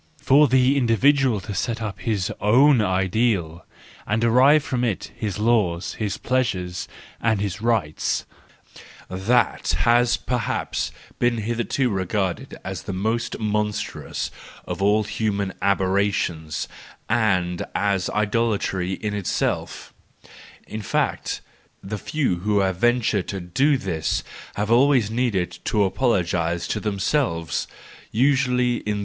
—For the individual to set up his own ideal and derive from it his laws, his pleasures and his rights— that has perhaps been hitherto regarded as the most mon¬ strous of all human aberrations, and as idolatry in itself ; in fact, the few who have ventured to do this have always needed to apologise to themselves, * This means that true love does not look for reciprocity.